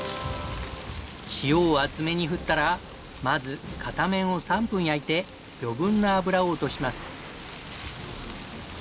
塩を厚めに振ったらまず片面を３分焼いて余分な脂を落とします。